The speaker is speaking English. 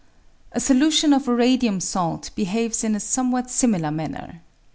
A solution of a radium salt behaves in a somewhat similar manner.